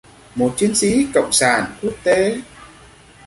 một chiến sĩ cộng sản quốc tế